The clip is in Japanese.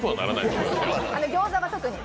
ギョーザは特に。